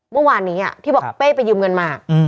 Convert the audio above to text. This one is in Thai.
เมื่อวานนี้ที่บอกเป้ไปยืมเงินมา